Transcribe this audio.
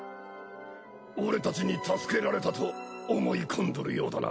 俺たちに助けられたと思い込んどるようだな。